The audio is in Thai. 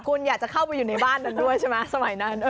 คุณอยากจะเข้าไปอยู่ในบ้านนั้นด้วยใช่ไหมสมัยนั้น